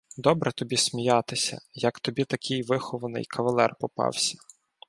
— Добре тобі сміятися, як тобі такий вихований кавалер попався.